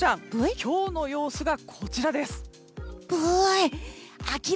今日の様子がこちら。